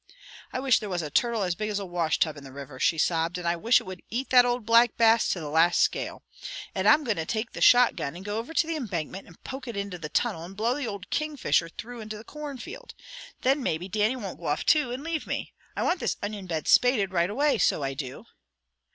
"I wish there was a turtle as big as a wash tub in the river" she sobbed, "and I wish it would eat that old Black Bass to the last scale. And I'm going to take the shotgun, and go over to the embankment, and poke it into the tunnel, and blow the old Kingfisher through into the cornfield. Then maybe Dannie won't go off too and leave me. I want this onion bed spaded right away, so I do."